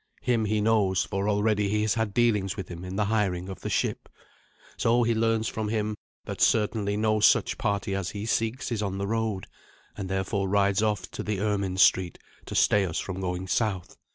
Him he knows, for already he has had dealings with him in the hiring of the ship. So he learns from him that certainly no such party as he seeks is on the road, and therefore rides off to the Ermin Street to stay us from going south.